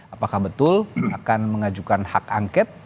apakah betul akan mengajukan hak angket